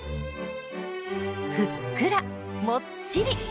ふっくらもっちり！